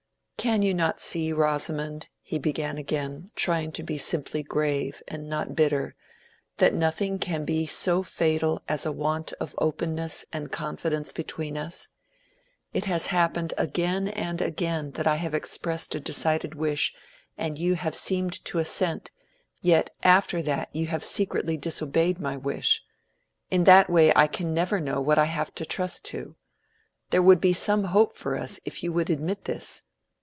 "Can you not see, Rosamond," he began again, trying to be simply grave and not bitter, "that nothing can be so fatal as a want of openness and confidence between us? It has happened again and again that I have expressed a decided wish, and you have seemed to assent, yet after that you have secretly disobeyed my wish. In that way I can never know what I have to trust to. There would be some hope for us if you would admit this.